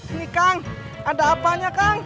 ini kang ada apanya kang